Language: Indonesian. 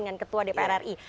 dengan ketua dpr ri